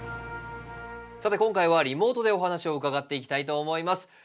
さて今回はリモートでお話を伺っていきたいと思います。